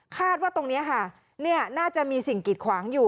ว่าตรงนี้ค่ะน่าจะมีสิ่งกิดขวางอยู่